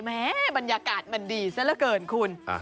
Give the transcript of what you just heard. แม้บรรยากาศมันดีซะเหลือเกินคุณ